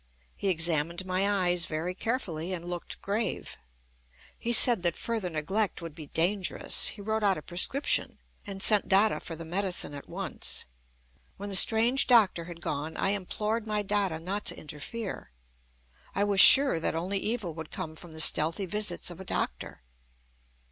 He examined my eyes very carefully, and looked grave. He said that further neglect would be dangerous. He wrote out a prescription, and Dada for the medicine at once. When the strange doctor had gone, I implored my Dada not to interfere. I was sure that only evil would come from the stealthy visits of a doctor.